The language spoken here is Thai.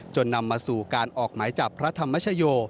นำมาสู่การออกหมายจับพระธรรมชโย